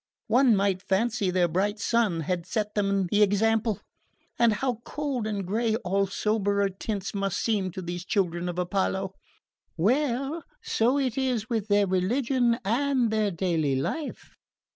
One might fancy their bright sun had set them the example! And how cold and grey all soberer tints must seem to these children of Apollo! Well so it is with their religion and their daily life.